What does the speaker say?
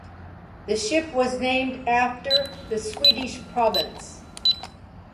The ship was named after the Swedish province.